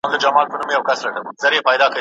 هغه کلمه چې فشار لري، مانا بدلوي.